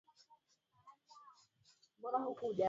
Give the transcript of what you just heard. Tafuta picha nyingine ambapo mnyama anasugua katika sehemu flani